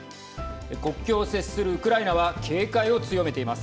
国境を接するウクライナは警戒を強めています。